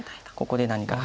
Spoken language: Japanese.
ここで何か。